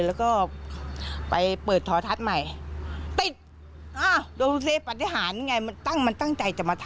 แล้วพอทรทัศน์ติดนี่คือติดใช้งานได้เลย